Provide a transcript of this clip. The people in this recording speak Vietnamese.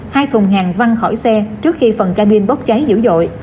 hai thùng hàng văng khỏi xe trước khi phần cabin bóp cháy dữ dội